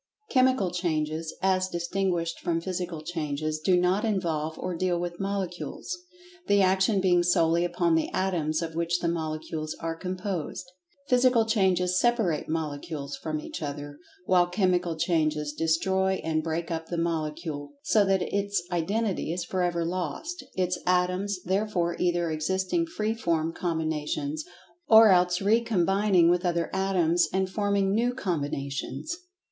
Chemical Changes, as distinguished from Physical Changes, do not involve or deal with Molecules, the action being solely upon the Atoms of which the Molecules are composed. Physical Changes separate Molecules from each other, while Chemical Changes destroy and break up the Molecule, so that its identity is forever lost, its Atoms thereafter either existing free from combinations, or else recombining with other Atoms, and forming new combinations.